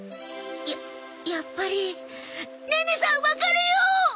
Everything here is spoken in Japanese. ややっぱりネネさん別れよう！